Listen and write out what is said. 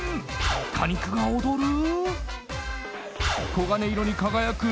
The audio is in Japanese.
果肉が躍る？